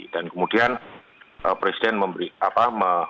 dan kemudian presiden memberi apa